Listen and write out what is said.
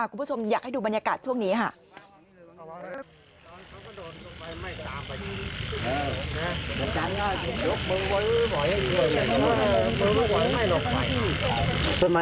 คุณผู้ชมอยากให้ดูบรรยากาศช่วงนี้ค่ะ